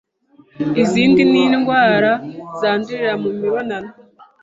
Izindi ni indwara zandurira mu mibonano